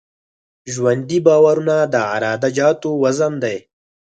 ژوندي بارونه د عراده جاتو وزن دی